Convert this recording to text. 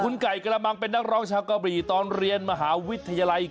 คุณไก่กระมังเป็นนักร้องชาวกะบี่ตอนเรียนมหาวิทยาลัย